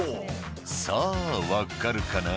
「さぁ分かるかな？